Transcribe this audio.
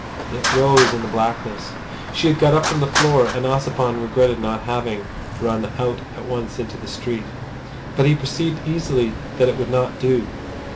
It rose in the blackness. She had got up from the floor, and Ossipon regretted not having run out at once into the street. But he perceived easily that it would not do.